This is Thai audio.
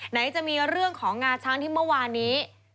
ไหนจะมีเรื่องของงาช้างที่เมื่อวานนี้